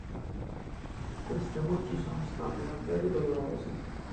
Queste voci sono state davvero dolorose.